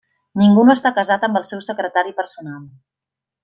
Ningú no està casat amb el seu secretari personal.